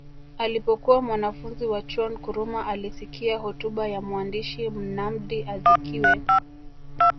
Alipokuwa mwanafunzi wa chuo Nkrumah alisikia hotuba ya mwandishi Nnamdi Azikiwe